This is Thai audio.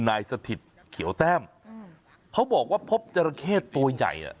สถิตเขียวแต้มอืมเขาบอกว่าพบจราเข้ตัวใหญ่อ่ะ